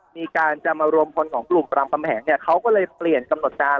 มีการจะมารวมพลของกลุ่มรามคำแหงเนี่ยเขาก็เลยเปลี่ยนกำหนดการ